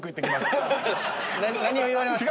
何を言われました？